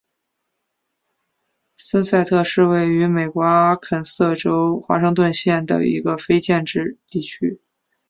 森塞特是位于美国阿肯色州华盛顿县的一个非建制地区。